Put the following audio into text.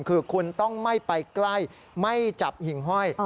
คือคุณต้องไม่ไปใกล้ไม่จับหิ่งห้อย